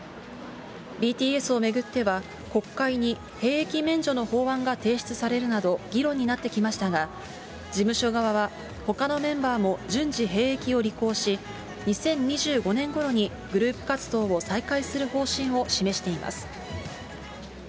ＢＴＳを巡っては、国会に兵役免除の法案が提出されるなど、議論になってきましたが、事務所側は、ほかのメンバーも順次、兵役を履行し、２０２５年ごろにグループ活動を再開する方針を示しています。